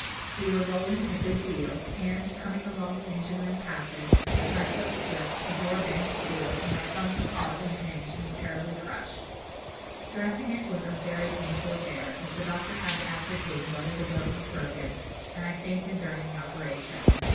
We were rolling a good deal, and, coming along the engine room passage, my foot slipped, a door banged to, and my thumb was caught in the hinge and terribly crushed. Dressing it was a very painful affair, as the doctor had to ascertain whether the bone was broken, and I fainted during the operation.